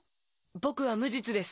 僕は無実です。